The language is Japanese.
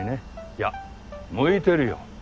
いや向いてるよ。